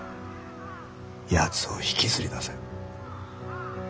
やつを引きずり出せ。